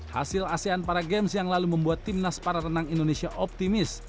hasil asean para games yang lalu membuat timnas para renang indonesia optimis